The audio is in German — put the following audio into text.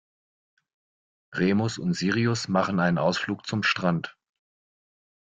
Remus und Sirius machen einen Ausflug zum Strand.